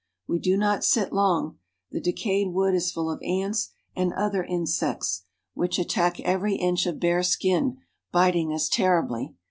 We do not sit long. The decayed wood is full of ants and other insects, which attack 24S AFRICA every inch of bare skin, biting us terribly.